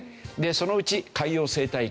でそのうち海洋生態系